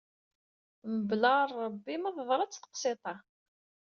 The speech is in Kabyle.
Mebla Rebbi ma teḍra-s teqsiṭ-a